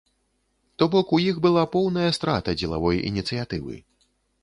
То бок, у іх была поўная страта дзелавой ініцыятывы.